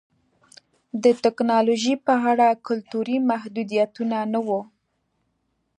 د ټکنالوژۍ په اړه کلتوري محدودیتونه نه وو